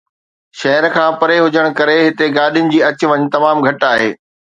شهر کان پري هجڻ ڪري هتي گاڏين جي اچ وڃ تمام گهٽ آهي.